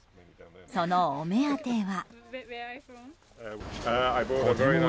そのお目当ては。